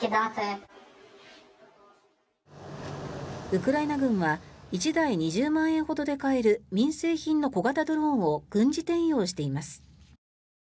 ウクライナ軍は１台２０万円ほどで買える民生品の小型ドローンを軍事転用しています。